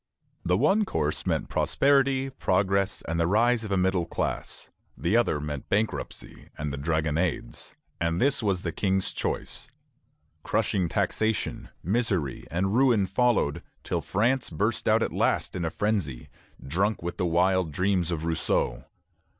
The one course meant prosperity, progress, and the rise of a middle class; the other meant bankruptcy and the Dragonades, and this was the King's choice. Crushing taxation, misery, and ruin followed, till France burst out at last in a frenzy, drunk with the wild dreams of Rousseau.